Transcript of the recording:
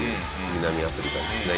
南アフリカですね